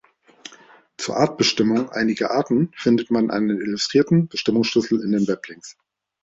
Zur Artbestimmung einiger Arten findet man einen illustrierten Bestimmungsschlüssel in den Weblinks.